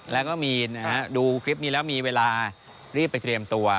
แล้วก็มีนะฮะดูคลิปนี้แล้วมีเวลารีบไปเตรียมตัว